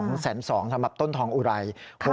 ๒๒๐๐๐๐บาทสำหรับต้นทองอุไร